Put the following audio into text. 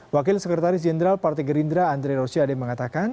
wakil sekretaris jenderal partai gerindra andre rosiade mengatakan